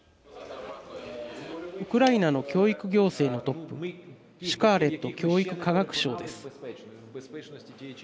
ウクライナの教育行政のトップシュカーレット教育科学相です。